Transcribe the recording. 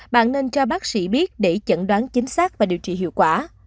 bạn nên cho bác sĩ biết để chẩn đoán chính xác và điều trị hiệu quả